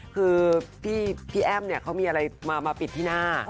คือพี่แอ้มเนี่ยเขามีอะไรมาปิดที่หน้า